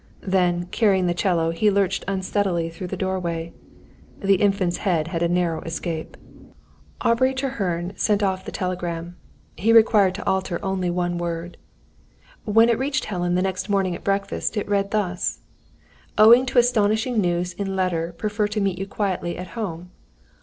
Then, carrying the 'cello, he lurched unsteadily through the doorway. The Infant's head had a narrow escape. Aubrey Treherne sent off the telegram. He required to alter only one word. When it reached Helen, the next morning at breakfast, it read thus: _Owing to astonishing news in letter prefer to meet you quietly at home.